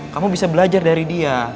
kamu bisa belajar dari dia